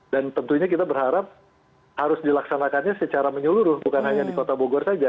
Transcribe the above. dan tentunya kita berharap harus dilaksanakannya secara menyeluruh bukan hanya di kota bogor saja